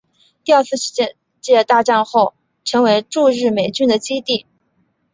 第二次世界大战后成为驻日美军的基地。